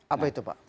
apa itu pak